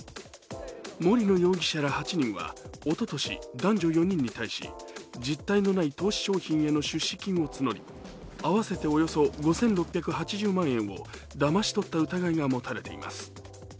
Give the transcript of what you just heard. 森野容疑者ら８人はおととし男女４人に対し実体のない投資商品への出資金を募り、合わせておよそ５６８０万円をだまし取った疑いが持たれています。